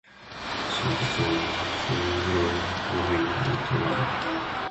Simpson wore gloves during the trial.